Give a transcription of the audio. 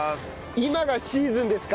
今がシーズンですか？